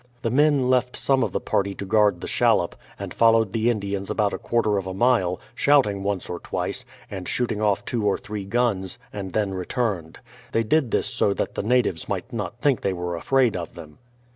The men left, some of the party to guard 72 BRADFORD'S^ HISTORY OF the shallop, and followed the Indians about a quarter o£ a mile, shouting once or twice, and shooting off two or three gims, and then returned. They did this so that the natives might not think they were afraid of them.